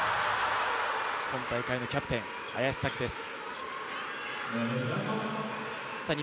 今大会のキャプテン、林咲希です。